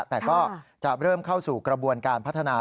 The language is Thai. แต่ก็จะเริ่มเข้าสู่กระบวนการพัฒนา